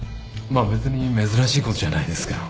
まあ別に珍しいことじゃないですけど。